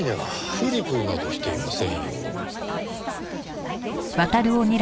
プリプリなどしていませんよ。